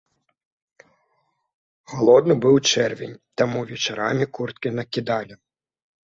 Халодны быў чэрвень, таму вечарамі курткі накідалі.